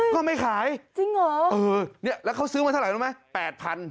ก็ไม่ขายจริงเหรอแล้วเขาซื้อมาเท่าไหร่รู้ไหม๘พันธุ์